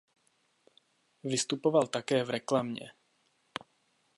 Vystupoval také v reklamě.